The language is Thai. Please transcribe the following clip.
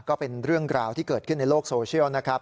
ก็เป็นเรื่องราวที่เกิดขึ้นในโลกโซเชียลนะครับ